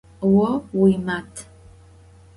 Vo vuimat.